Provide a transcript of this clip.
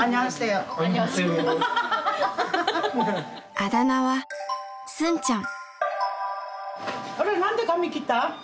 あだ名はスンちゃん！